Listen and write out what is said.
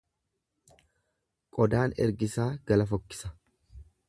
Qodaan ergisaa gala fokkisa.